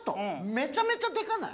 めちゃめちゃデカない？